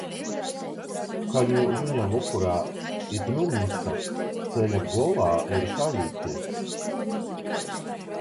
Ka niu juņa vokorā īt nu mīsta, ceļa golā ir sauleite.